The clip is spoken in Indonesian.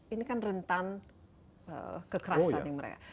ini kan rentan kekerasan yang mereka